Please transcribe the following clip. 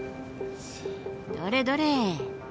どれどれ？